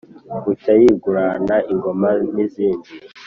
bucya yigurana ingoma nizindi